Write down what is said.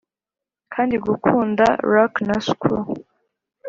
kandi gukunda rack na screw.